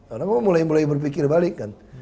orang mulai berpikir balik kan